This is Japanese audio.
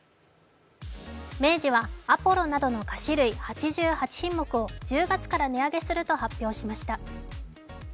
明治はアポロなどの菓子類８８品目を１０月から値上げすると発表しました。